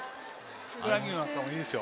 ふくらはぎなんかもいいです。